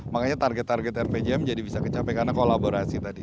makanya target target rpjm jadi bisa kecapai karena kolaborasi tadi